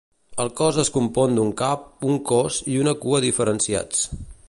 El cos es compon d'un cap, un cos i una cua diferenciats.